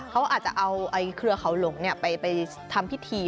เขาอาจจะเอาเครือเขาหลงไปทำพิธี